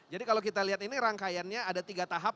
jadi kalau kita lihat ini rangkaiannya ada tiga tahap